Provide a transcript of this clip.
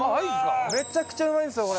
めちゃくちゃうまいんですよ